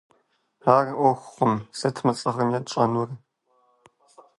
Ар Ӏуэхукъым, сыт мы сӀыгъым етщӀэнур?